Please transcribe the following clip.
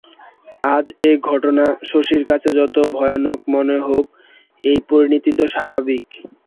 আজ এ ঘটনা শশীর কাছে যত ভয়ানক মনে হোক এই পরিণতিই তো স্বাভাবিক।